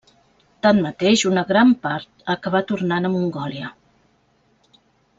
Tanmateix una gran part acabà tornant a Mongòlia.